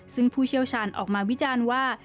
ซึ่งผู้เชี่ยวชาญออกมาวิจารณ์ว่า